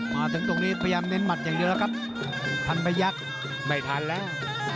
มาถึงตรงนี้พยายามเน้นหมัดอย่างเดียวแล้วครับพันพยักษ์ไม่ทันแล้ว